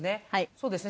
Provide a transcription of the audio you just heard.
そうですね。